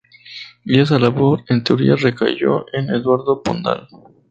Y esa labor, en teoría, recayó en Eduardo Pondal.